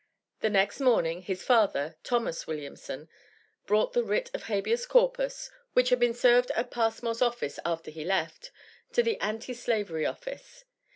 The next morning his father (Thomas Williamson) brought the writ of Habeas Corpus (which had been served at Passmore's office after he left) to the Anti Slavery Office.